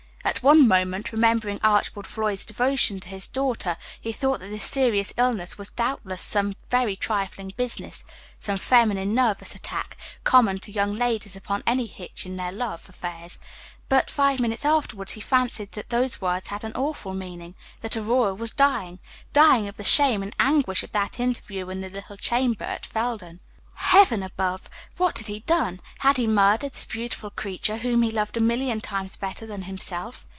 At one moment, remembering Archibald Floyd's devotion to his daughter, he thought that this serious illness was doubtless some very trifling business some feminine nervous attack, common to young ladies upon any hitch in their love affairs; but five minutes afterward he fancied that those words had an awful meaning that Aurora was dying dying of the shame and anguish of that interview in the little chamber at Felden. Heaven above! what had he done? Had he murdered this beautiful creature, whom he loved a million times better than himself?